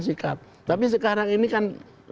sikap tapi sekarang ini kan